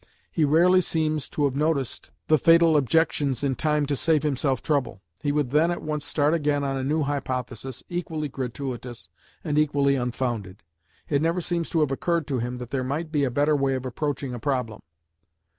He rarely seems to have noticed the fatal objections in time to save himself trouble. He would then at once start again on a new hypothesis, equally gratuitous and equally unfounded. It never seems to have occurred to him that there might be a better way of approaching a problem.